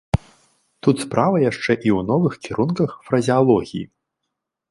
Тут справа яшчэ і ў новых кірунках фразеалогіі.